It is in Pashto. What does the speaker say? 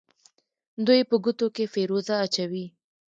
دوی په ګوتو کې فیروزه اچوي.